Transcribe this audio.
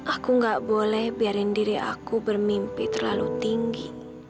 aku nggak boleh biarin diri aku bermimpi terlalu tinggi